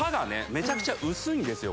めちゃくちゃ薄いんですよ